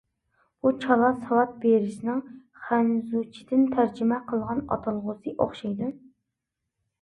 بۇ چالا ساۋات بىرسىنىڭ خەنزۇچىدىن تەرجىمە قىلغان ئاتالغۇسى ئوخشايدۇ.